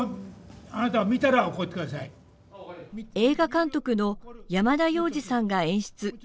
映画監督の山田洋次さんが演出。